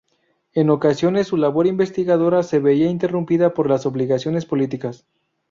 En ocasiones su labor investigadora se veía interrumpida por las obligaciones políticas.